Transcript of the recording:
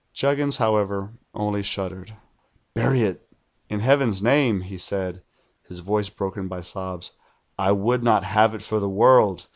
Juggins, however, only shuddered. "'Bury it, in Heaven's name,' he said, his voice broken by sobs. 'I would not have it for the world.